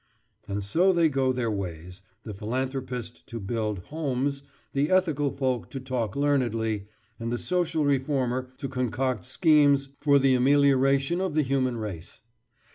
And so they go their ways, the philanthropist to build "homes," the ethical folk to talk learnedly, and the social reformer to concoct schemes for the amelioration of the human race.